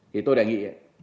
thì tôi đề nghị